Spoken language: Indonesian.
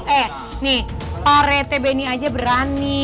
eh nih parete benny aja berani